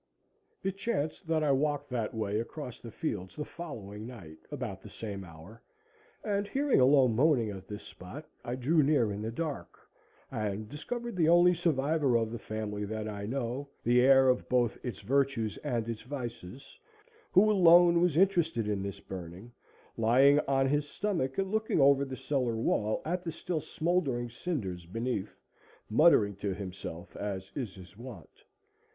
It chanced that I walked that way across the fields the following night, about the same hour, and hearing a low moaning at this spot, I drew near in the dark, and discovered the only survivor of the family that I know, the heir of both its virtues and its vices, who alone was interested in this burning, lying on his stomach and looking over the cellar wall at the still smouldering cinders beneath, muttering to himself, as is his wont.